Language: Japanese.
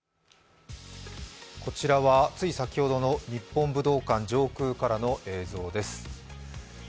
こちらは、つい先ほどの日本武道館上空からの映像です。